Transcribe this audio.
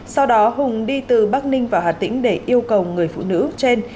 sau đó hùng đi từ bắc ninh vào hà tĩnh để yêu cầu người phụ nữ trên